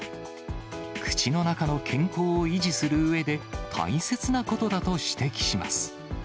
口の中の健康を維持するうえで、大切なことだと指摘します。